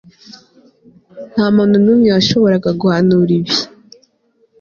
Ntamuntu numwe washoboraga guhanura ibi